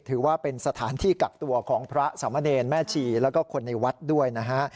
ถือว่าเป็นสถานที่กักตัวของพระสามเณรแม่ชีแล้วก็คนในวัดด้วยนะฮะ